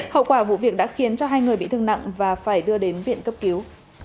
hậu quả vụ việc đã khiến hai người bị thương nặng và phải đưa đến viện cấp cứu